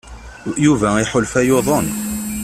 Yuba iḥulfa yuḍen.